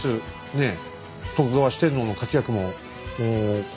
ねえ。